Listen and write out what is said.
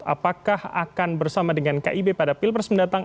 apakah akan bersama dengan kib pada pilpres mendatang